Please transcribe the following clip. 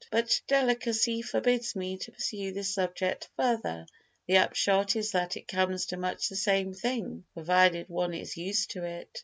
But delicacy forbids me to pursue this subject further: the upshot is that it comes to much the same thing, provided one is used to it.